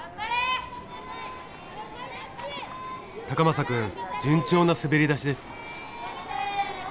崇真くん順調な滑り出しです。